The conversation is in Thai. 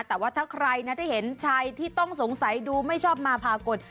แต่ว่าถ้าใครนะได้เห็นชายที่ต้องสงสัยดูไม่ชอบมาพากล